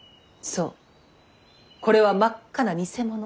そうこれは真っ赤な偽物。